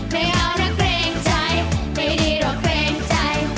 ไม่เอารักเกรงใจใจดีหรอกเกรงใจ